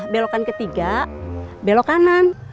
belokan ketiga belok kanan